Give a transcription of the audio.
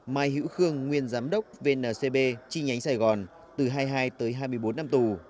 mai hữu khương nguyên giám đốc vncb chi nhánh sài gòn từ hai mươi hai tới hai mươi bốn năm tù